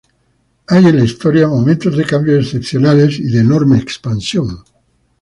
Hay en la historia momentos de cambios excepcionales y de enorme expansión.